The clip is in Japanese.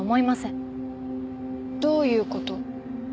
どういう事？